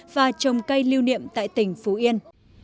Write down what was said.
và trồng cây lưu niệm tại tỉnh phú yên